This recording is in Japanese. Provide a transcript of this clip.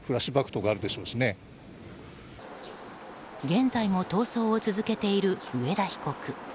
現在も逃走を続けている上田被告。